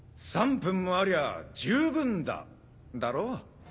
３分もありゃ十分だだろ？